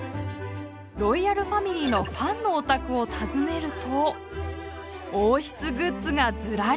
ロイヤルファミリーのファンのお宅を訪ねると王室グッズがずらり！